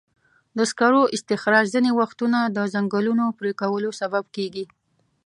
د سکرو استخراج ځینې وختونه د ځنګلونو پرېکولو سبب کېږي.